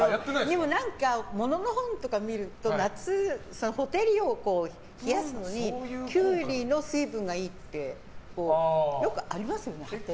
でも、本とか見ると夏、ほてりを冷やすのにキュウリの水分がいいってよくありますよね。